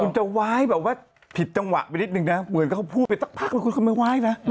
คุณจะไหว้แบบว่าผิดจังหวะไปนิดนึงนะเหมือนเขาพูดไปสักพักแล้วคุณก็ไม่ไหว้นะ